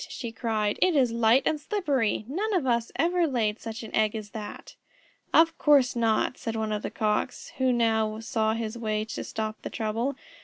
she cried. "It is light and slippery! None of us ever laid such an egg as that." "Of course not," said one of the Cocks, who now saw his way to stop the trouble.